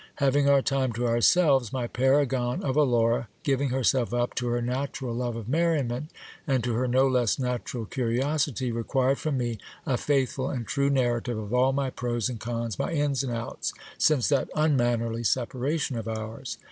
Having our time to ourselves, my paragon of a Laura, giving herself up to her natural love of merriment, and to her no less natural curiosity, required from me a faithful and true narrative of all my pros and cons, my ins and outs, since that unmannerly separation of ours.